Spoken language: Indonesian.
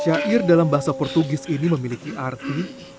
syair dalam bahasa portugis ini memiliki arti